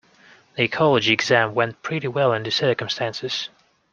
The ecology exam went pretty well in the circumstances.